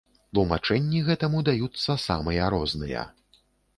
Тлумачэнні гэтаму даюцца самыя розныя.